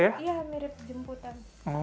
iya mirip jemputan